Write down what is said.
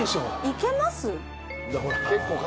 いけます？